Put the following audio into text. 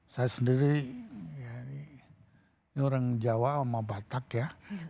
saya sendiri ini orang jawa sama batak ya